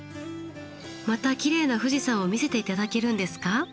またきれいな富士山を見せて頂けるんですか？